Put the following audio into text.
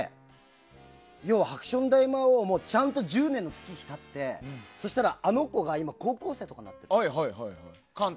要は「ハクション大魔王」もちゃんと１０年月日が経ってそしたら、あの子が今高校生とかになってる。